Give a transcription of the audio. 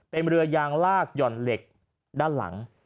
เป็นเรือยางลากหย่อนเหล็กด้านหลัง